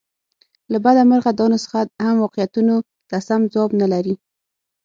له بده مرغه دا نسخه هم واقعیتونو ته سم ځواب نه لري.